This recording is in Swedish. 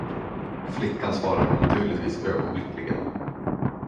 Flickan svarade naturligtvis ögonblickligen.